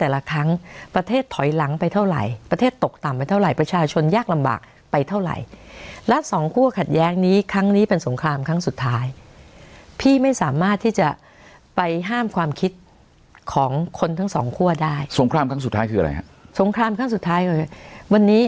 แล้วสองคั่วขัดแยกนี้ครั้งนี้เป็นสงครามครั้งสุดท้ายพี่ไม่สามารถที่จะไปห้ามความคิดของคนทั้งสองคั่วได้สงครามครั้งสุดท้ายคืออะไรฮะสงครามครั้งสุดท้ายคือวันนี้